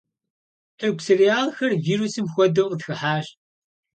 Тырку сериалхэр вирусым хуэдэу къытхыхьащ.